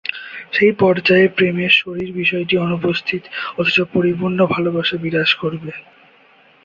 সেই পর্যায়ের প্রেমে শরীর বিষয়টি অনুপস্থিত, অথচ পরিপূর্ণ ভালোবাসা বিরাজ করবে।